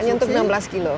hanya untuk enam belas kilo